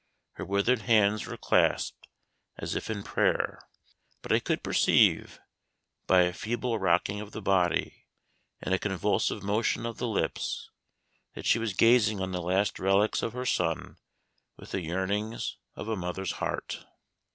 Her withered hands were clasped, as if in prayer; but I could perceive, by a feeble rocking of the body, and a convulsive motion of the lips, that she was gazing on the last relics of her son with the yearnings of a mother's heart.